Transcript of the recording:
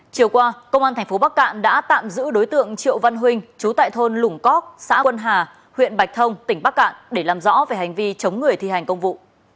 chiều qua công an tp bắc cạn đã tạm giữ đối tượng triệu văn huynh chú tại thôn lũng cóc xã quân hà huyện bạch thông tỉnh bắc cạn để làm rõ về hành vi chống người thi hành công vụ